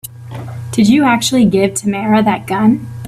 Did you actually give Tamara that gun?